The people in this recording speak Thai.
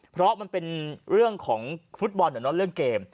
เพราะมันเป็นเรื่องของฟุตบอลเรื่องเกม